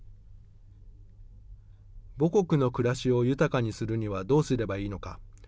母国の暮らしを豊かにするにはどうすればいいのか。